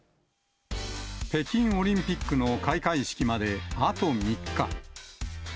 北京オリンピックの開会式まであと３日。